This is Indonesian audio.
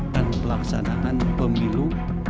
dan pelaksanaan pemilu